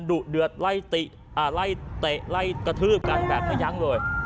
ดุเดือดไล่เตะไล่กระทืบกันแบบไม่ยั้งเลย